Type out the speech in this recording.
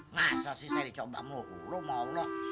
masa sih saya dicoba melulu mau loh